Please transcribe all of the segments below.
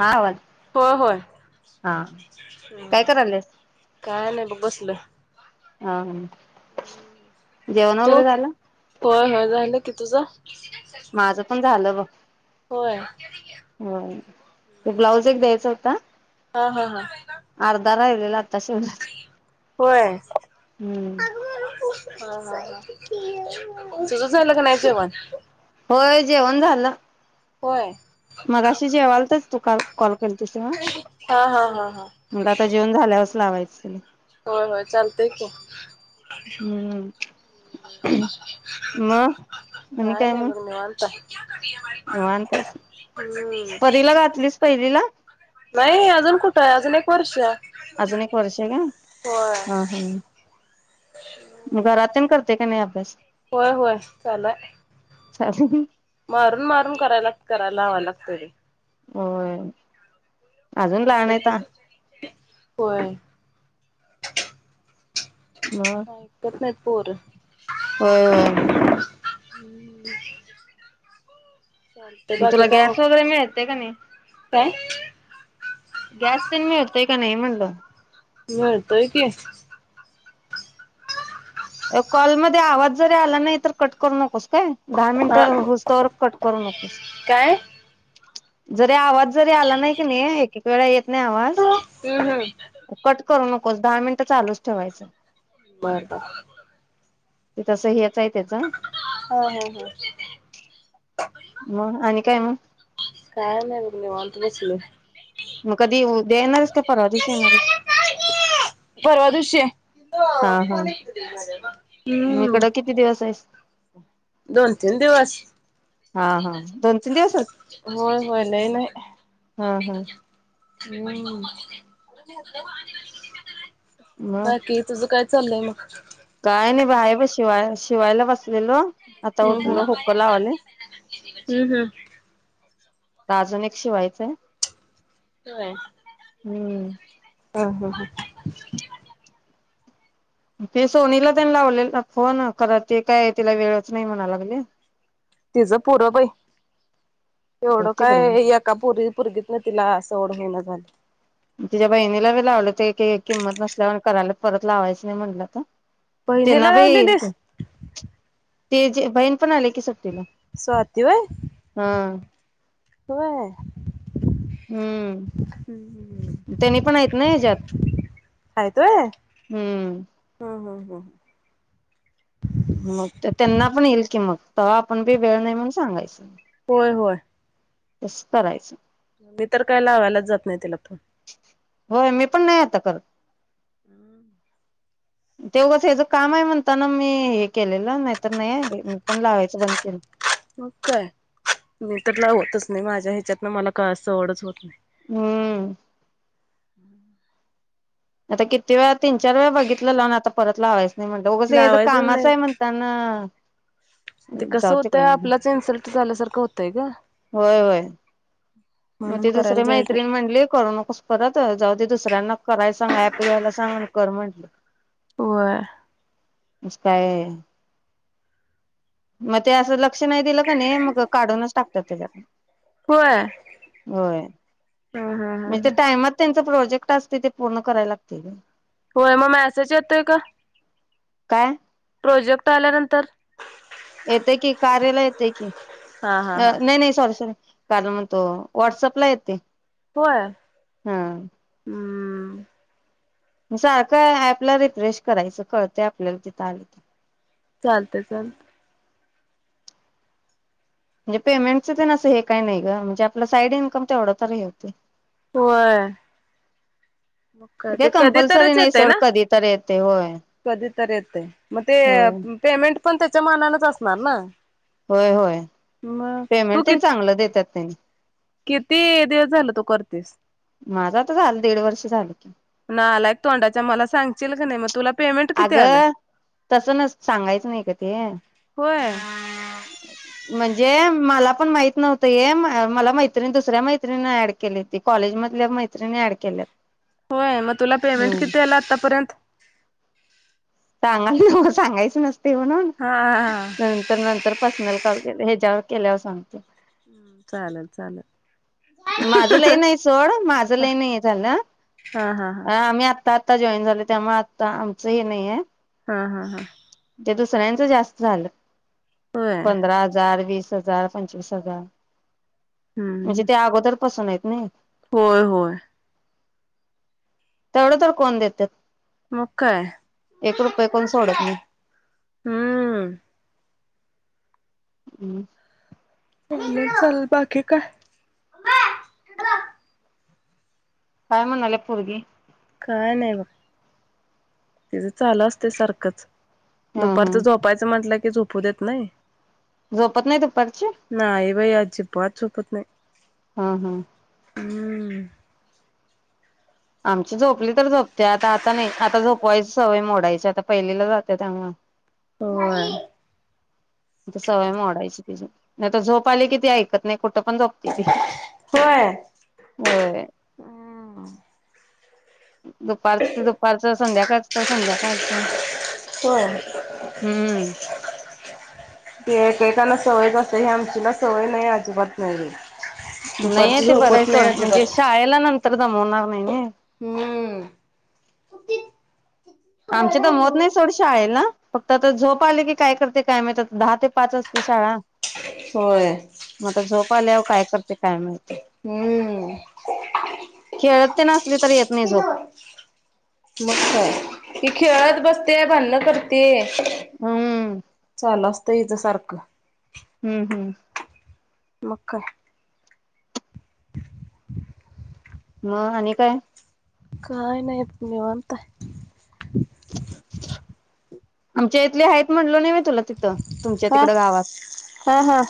हा आवाज होय होय. हा काय करायलेस काय नाही बग बसल. हा हा तो होय होय झालं की. कि तुझं माझं पण झालं बघ. होय हा तो ब्लाउज एक द्यायचा होता हा हा हा लाग [unintelligible] हम्म ह-हं-हं तुझं झालं का नाही जेवण? होय जेवण झालं. होय? मगाशी जेवायतीस तू काल कॉल केलीस तेव्हा? हा हा हा हा मग आता जेवूण झाल्यावरचं लावायचं. होय होय चालतय कि. हम्म मग आणि काय नाही मग बघ निवांत हाय. निवांत आहेस. हम्म परीला घातलीस पहिलीला? नाही अजून कुठं आहे अजून एक वर्ष. अजून एक वर्ष हाय काय. ह ह मग घरात तेन कर हुतंय काय नाही अभ्यास? होय होय चालू हाय. चाले [unintelligible] मारून मारून करायला कराय लावाय लागतय लई. होय आजून लहानयता. व्हय मग हा ऐकत नाहीत. पोर होय, होय. हम मग तुला गॅस वगैरे मिळतय का नाही? काय? गॅस तेन मिळतय का नाही म्हणलं. मिळतोय की. कॉल मध्ये आवाज जरी आला नाही तर कट करू नकोस. काय दहा मिनिट हा हूस्तोवर कट करू नकोस. काय जरी आवाज जरी आला नाही कणी एक एक वेळा येत येत नाही आवाज. हम्म हम्म कट करू न मग. दहा मिनिटं चालूच ठेवायचं. बर, बर ते तसं हे हा हा हा मग आणि काय मग? काय नाही बघ निवांत बसले. मग कधी उद्या येणार हाईस काय परवा दिेवशी येणार हाईस? शे म हम्म इकडं किती दिवस आहेस दोन तीन दिवस. हा हा दोन तीन दिवसच होय होय लई नई. हा हा हम्म मग बाकी तुझं काय? चालय मग बाहे ब शिवाय शिवायला बसलेलो. आता हम्म उठलो, हम्म हुक्क लावालोय. हम्म हम् अजून एक शिवायचंय. होय हम्म हा, हा, हा [inaudible] ते सोनीला तेन लावलेला फोन खरं ते काय तिला वेळच नाही म्हणाय लागली. तिज पुर बई. एवढं काय तिकडं एका पोरी पुरगीतन तिला सवड होईना झालय तिच्या बहिणीला बी लावल ते का किंमत नसल्यावर कराल्या. परत लावायचं नाही म्हणलं आता. बहिणीला लावलीलीस? ते जे बहीण पण आले की स तिला स्वाती हा.... व्हय... हम्म त्यांनी पण आहेत ना ह्याज्यात आहेत व्हय हम्म... हं हं हं मग ते त्यांना पण येईल की मग..... तवा आपण बी वेळ नाही म्हणून सांगायचं..... होय होय. तसं करायचं मी तर काय लावायलाच जात नाही तिला फो..... होय मी पण नाही आता कर.. [inaudible] ते उगच हेज काम आहे म्हणताना मी हे केलेलं नाहीतर नाही मी पण लावायचं बंद केलं... मग काय मी तर लावतच नाही माझ्या ह्याच्यातन मला कां सवडच होत नाही.... हम्म [inaudible] आता किती वेळा तीन चार वेळा बघितलं लावून आता परत लावायचं... नाही म्हणल उगच हेज लावायचंच कामाच नाही. आहे म्हणताना.... ते कसं जाऊ तिकडं होतय म्हणलं आपलाच इन्सल्ट झाल्यासारखं होतय ग...... होय होय मग म्हणून ते करायला दुसरे जायच मैत्रीण नाही. म्हणली करू नकोस परत जाऊ दे.... दुसऱ्यांना कराय सांगा ऍप घ्यायला सांगा कर म्हटले.... होय [inaudible] काय मग ते असं लक क्ष नाही दिलं का नाय मग काढूनच टाकतात त्याच्यात [inaudible] होय होय हं हं म्ह हं त्या टाइमात त्यां.... ते प्रोजेक्ट असतय ते पूर्ण कराय लागतय ग. होय म मेसेज येतोय का? काय? प्रोजेक्ट आल्यानंतर येतेय की कार्याला येतय की, हा हा अ हा. नाही नाही सॉरी सॉरी.... कारण म तो व्हॉट्सअपला येते. होय हा हूं सारखं ॲपला रिफ्रेश करायचं कळतय आपल्याला तिथं आल की, चालतय चालतय. म्हणजे पेमेंटच तेसं हे काही नाही ग म्हणजे आपलं साईड इन्कम तेवढं तर हे होतय. होय हे काय कधी कधी कंपल्सरी तरच नाही येतय सोड ना? कधी तर येते होय कधी तर येतय म ते होय पेमेंट पण च्या मनानच असणार ना होय होय मग. तू पेमेंट कि तेन चांगलं देत्यात त्यांनी किती दिवस झालं तू करतोयस माझा तर झालं दीड वर्ष झालं की नालायक तोंडाच्या मला सांगशील का नाही मग तुला पेमेंट किती अग आलं. तसं सांगायचं नाही ग ते होय. जे मला पण माहित नव्हतं हे मला मैत्रिणी दुसऱ्या मैत्रिणी ऍड केली ती कॉलेज मधल्या मैत्रिणी ऍड केल्यात होय मग तुला पेमेंट हम्म किती आला आतापर्यंत? सांगायला नव सांगायचं नस ते म्हणून हा हा. नंतर नंतर पर्सनल कॉल की आता ह्याच्यावर केल्यावर सांगते. चालल चालल माझं लय नाही सोड माझं हा लय नाही झालं हा हा हा आम्ही आ आता आता जॉईन झाले त्यामुळे आता आमचं हे नाहीये. हा हा हा ते दुसऱ्यांचं जास्त झालं. होय. पधरा हजार वीस च् जार पंचवीस हजार म्हणजे हम्म ते अगोदर पसु नाहीत नी होय होय तेवढं तर कोण देत्यात मग काय कोण सोडत हम्म हम्म चालय चाल बाकीे काय? काय म्हणाल्या पोरगी काय नाही बघ त्यज चालू असते सारखंच हा हा दुपारच झोपायचं म्हटलं की झोप पु देत नाही झोपत नाही दुपारची? नाही बाई अजिबात झोपत नाही. हा हम्म हम्म आमची झोपली तर झोपत्या आता आता नाही आता झोपवायच सवय मोडायची आता पहिलीला जात्या त्यामुळ होय सवय मोडायची तिची नाही तर झोप आली किती ऐकत नाही. कुठ पण झोपते ती.... होय. होय दुपारचं ते दुपारचं संध्या... [unintelligible] संध्याकाळच होय [inaudible] हम्म ती एकेकाना सवयच असते हे आमचीला सवय नाही अजिबात नाही. नाहीय दुपारची ते बराय झोपत नाही सोड म्हणजे शाळेला नं तेला आता मोडणार नाही नय हूं आमची तर म्हत नाही सोड शाळेला फक्त आता झोप आले की काय करते काय माहित दहा ते पाच असते शाळा होय. मग आता झोप आल्यावर काय करते काय माहिती? हूं खेळत ते नसले तरी येत नाय झोप मग काय ती खेळत बसते भांडण करते. हूं तेच सारखं हूं हूं मग काय? म आणि काय? काही नाय निवांत हाय. आमच्या इथले हायेत म्हणलो नाय होय तुला तिथं तुमच्या हाय. तिकड गावात..... हा हा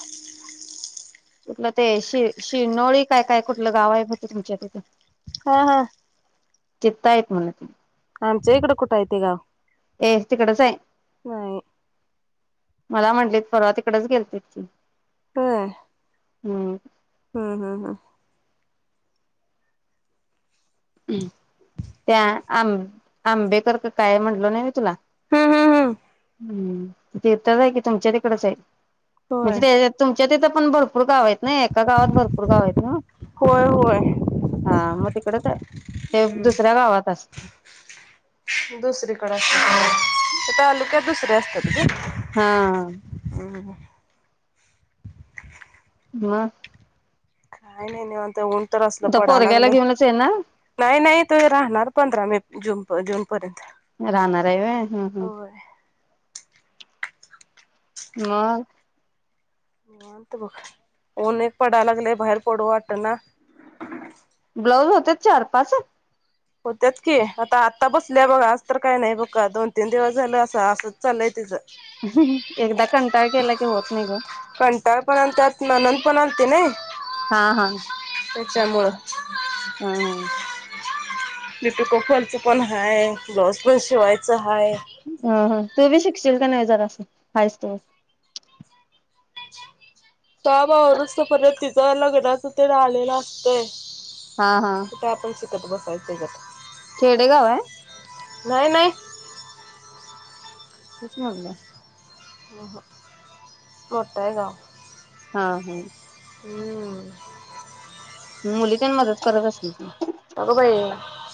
कुठलं ते शि शिरनोळी काय काय कुठलं गाव हाय बघ तुमच्या तिथ....... हा हा... तिथं आहेत म्हण ते.... आमचे इकड कुठ हाय ते गाव.. ये तिकडच आहे नाही मला म्हंटलेत परवा तिकडेच गेलते की... होय हम्म हम्म हम्म हम्म त्या आं आंबेकर का काय म्हटल नाही होय तुला हम्म हम्म हम्म हं तीथच हाय कि तुमच्या तिकडच हाय होय म्हणजे त्याज्यात तुम त्या तीथं पण भरपूर गाव आहेत ना? एका गावात भरपूर गाव आहेत ना? होय होय हा मग तिकडच हाय ते दुसऱ्या गावात [inaudible] दुसरीकड अस [inaudible] त्या तालुक्यात दुसऱ्या असतात ग हां हुं हुं हा काय नाय निवांत आहे ऊन ऊन तर असल आता पडाय पोरग्याला लागलयं, घेऊनच आहे ना नाही नाही तु राहणार पंधरा मे जून प जून पर्यंत राहणार हाय व्हय हुंं हुं होय [inaudible] मग निवांत बघ ऊन एक पडाय लागलयं बाहेर पडू वाटना. ब्लाऊज होतेत चार पाच होत्यात की आता आत्ता बसल्या बघा आज तर काय नाही बघ का दोन तीन दिवस झालं अस असंच चाललंय तिज. [unintelligible] एकदा कंटाळ केला की होत नाही ग कोण आलती नाई. हा हा. [unintelligible] त्याच्यामुळं हा हा हा. ती पिको फॉल च पण हाय ब्लाऊज पण शिवायचा हां हां तू बी शिकशील का नाही जरासं हायसं तोवर. काम आवरतोस पर्यत तिचं ते लग्नाचं तेण आलेलं असतय हा हा. बसायच गप खेडे गाव हाय? नाही नाही तेच म्हटलं आम्हम मोठ आहे गाव हा हम हु हु हु मुली त्यांना मदत करत असतील की अग बाई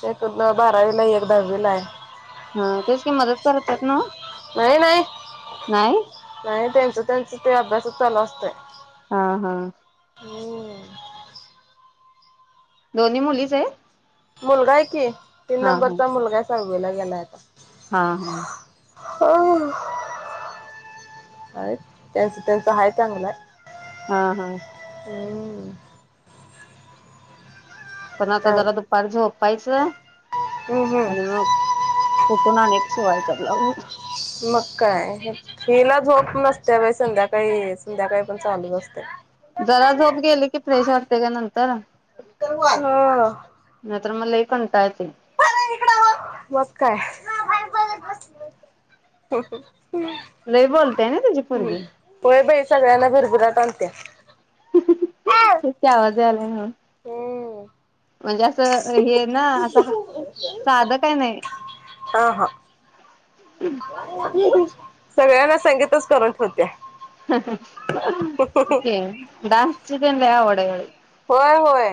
एक बारावीला एक दहावीला आहे हा तेच काही मदत करतात ना नाही नाही नाही नाही त्यांचं त्यांचं ते अभ्यासात चालू असते हा हा हम्म दोन्ही मुलीच हाय? मुलगा आहे की. तीन नंबरचा मुलगा हाय नववीला गेलाय आता हा हा ह अ आहे त्यांच त्यांच आहे चांगलं हा हा हम्म पण आता चांग जरा दुपार झोप पायच हम्म हम्म आणि मग कुठून आने. शिवायचा ब्लाउज. मग काय हेला झोप नस्तिया बाई संध्याकाळी संध्याकाळी पण चालू असतय. जरा झोप गेली कि फ्रेश वाटते ग नंतर. ह तर मला लय कंटाळतेय मग काय हा ह. लय बोलताय ना तुझी पोरगी. होय बाई सगळ्यांना भिरभिरात आणत्या तेच की आवाज यायलाय नव्ह हम्म म्हणजे अस हे ना अस हा साधं काय नाही? हा हा [inaudible] सगळ्यांना संगीतच करून ठेवत्या. ओके डान्स ची तेन लय आवड रय होय होय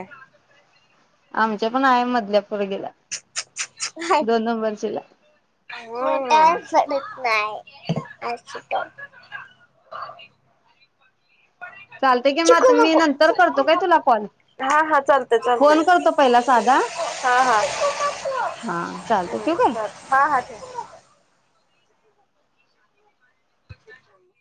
आमच्या पण आहे मधल्या पोरगीला दोन नंबरचीला [inaudible] [inaudible] चालतंय की म मी नंतर करतो काय तुला कॉल हा हा चालतय फोन चालतय करतो पहिला साधा हां हां हा चालतंय ठेऊ काय? हां हां ठेव रिकामा ऑडिओ